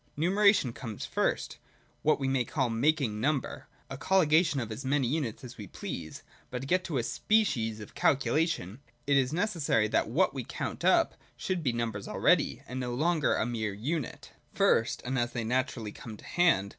Numeration comes first : what we may call, making number ; a colligation of as many units as we please. But to get a species of calculation, it is necessary that what we count up should be numbers already, and no longer a mere unit. First, and as they naturally come to hand.